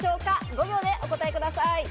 ５秒でお答えください。